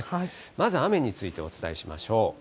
まず雨についてお伝えしましょう。